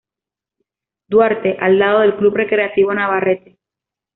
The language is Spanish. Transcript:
Duarte al lado del Club Recreativo Navarrete.